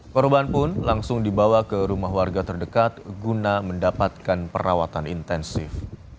korban pun langsung dibawa ke rumah warga terdekat guna mendapatkan perawatan intensif